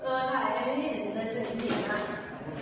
เออถ่ายให้พี่รู้ได้เสียงเสียงนะ